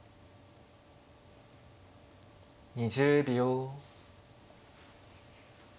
２０秒。